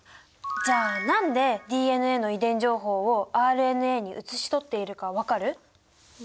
じゃあ何でＤＮＡの遺伝情報をＲＮＡに写し取っているか分かる？